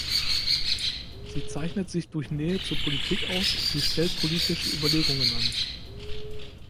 Sie zeichnet sich durch Nähe zur Politik aus, sie stellt politische Überlegungen an.